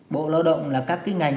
bộ lao động là các cái ngành